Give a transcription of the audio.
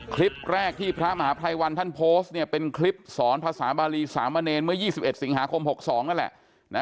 คลิปแรกที่พระมหาภัยวันท่านโพสต์เนี่ยเป็นคลิปสอนภาษาบาลีสามเนรเมื่อ๒๑สิงหาคม๖๒นั่นแหละ